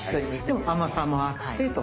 でも甘さもあってと。